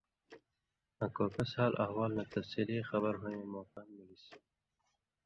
آں کوکسیں حال احوال نہ تفصیلی خبر ہوئیں موقع ملِس۔